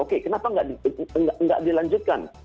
kenapa tidak dilanjutkan